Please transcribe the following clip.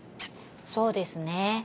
そうですね。